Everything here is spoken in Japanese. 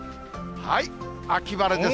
秋晴れです。